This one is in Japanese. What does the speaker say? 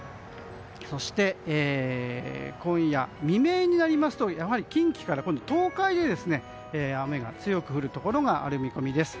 そして、今夜未明になりますと近畿から東海で雨が強く降るところがある見込みです。